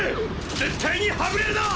絶対にはぐれるな！